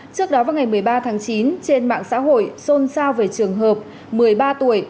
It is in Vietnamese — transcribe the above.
trước đó vào ngày một mươi ba tháng chín trên mạng xã hội xôn xao về trường hợp một mươi ba tuổi